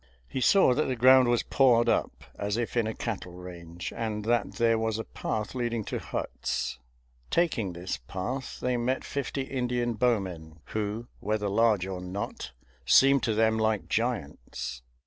He saw that the ground was pawed up, as if in a cattle range and that there was a path leading to huts. Taking this path, they met fifty Indian bowmen, who, whether large or not, seemed to them like giants.